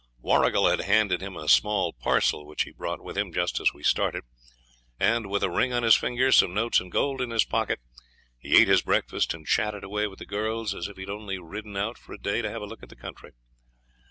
Warrigal had handed him a small parcel, which he brought with him, just as we started; and, with a ring on his finger, some notes and gold in his pocket, he ate his breakfast, and chatted away with the girls as if he'd only ridden out for a day to have a look at the country.